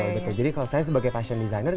betul jadi kalau saya sebagai fashion designer